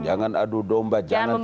jangan adu domba jangan